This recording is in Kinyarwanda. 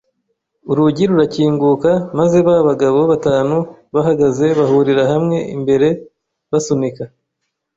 Urugi rurakinguka, maze ba bagabo batanu bahagaze bahurira hamwe imbere, basunika